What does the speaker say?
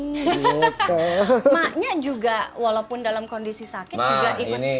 maknya juga walaupun dalam kondisi sakit juga ikut